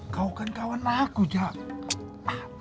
kau kan kawan aku jak